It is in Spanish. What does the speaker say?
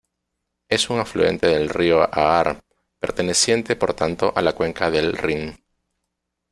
Es un afluente del río Aar, perteneciente por tanto a la cuenca del Rin.